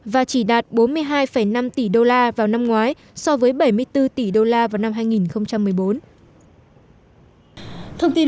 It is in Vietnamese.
và chỉ đạt bốn mươi hai năm tỷ đô la vào năm ngoái so với bảy mươi bốn tỷ đô la vào năm hai nghìn một mươi bốn